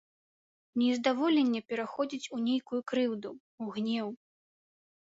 Нездаволенне пераходзіць у нейкую крыўду, у гнеў.